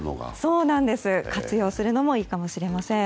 活用するのもいいかもしれません。